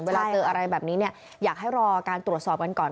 เวลาเจออะไรแบบนี้เนี่ยอยากให้รอการตรวจสอบกันก่อน